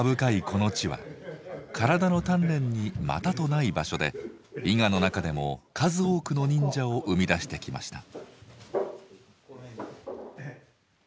この地は体の鍛錬にまたとない場所で伊賀の中でも数多くの忍者を生み出してきました。